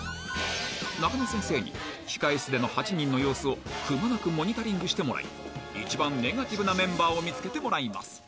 中野先生に、控え室での８人の様子をくまなくモニタリングしてもらい、一番ネガティブなメンバーを見つけてもらいます。